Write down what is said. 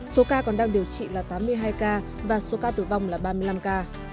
số ca còn đang điều trị là tám mươi hai ca và số ca tử vong là ba mươi năm ca